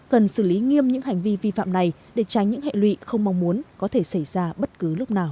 cần xử lý nghiêm những hành vi vi phạm này để tránh những hệ lụy không mong muốn có thể xảy ra bất cứ lúc nào